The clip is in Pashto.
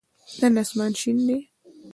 نن آسمان شین دی.